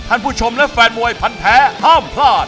ท่านผู้ชมและแฟนมวยพันแท้ห้ามพลาด